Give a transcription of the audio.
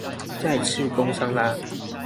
再次工商啦